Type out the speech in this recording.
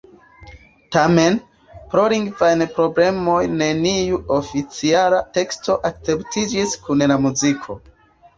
Tamen, pro lingvaj problemoj neniu oficiala teksto akceptiĝis kun la muziko.